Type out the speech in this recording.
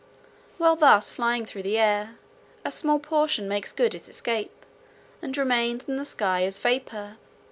While thus flying through the air, a small portion makes good its escape, and remains in the sky as vapor.